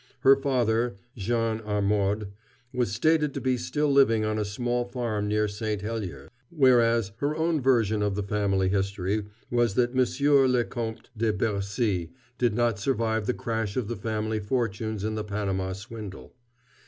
Her father, Jean Armaud, was stated to be still living on a small farm near St. Heliers, whereas her own version of the family history was that Monsieur le Comte de Bercy did not survive the crash of the family fortunes in the Panama swindle.